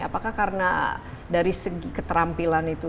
apakah karena dari segi keterampilan itu